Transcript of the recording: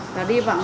và đi vòng